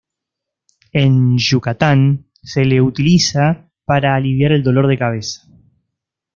En Yucatán se le utiliza para aliviar el dolor de cabeza.